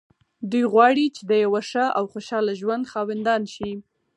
دوی غواړي چې د يوه ښه او خوشحاله ژوند خاوندان شي.